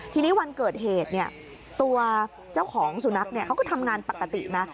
ทีนี้วันเกิดเหตุตัวเจ้าของสุนัขเขาก็ทำงานปกตินะ